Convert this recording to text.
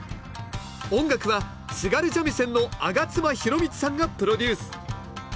音楽は津軽三味線の上妻宏光さんがプロデュース。